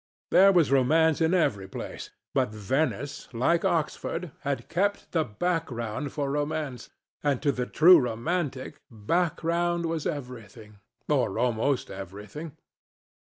There was romance in every place. But Venice, like Oxford, had kept the background for romance, and, to the true romantic, background was everything, or almost everything.